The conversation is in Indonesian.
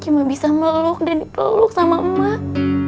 cuma bisa meluk dan dipeluk sama emak